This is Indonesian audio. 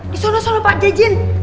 di sana pak jaijin